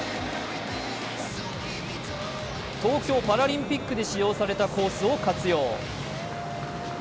東京パラリンピックで使用されたコースを活用。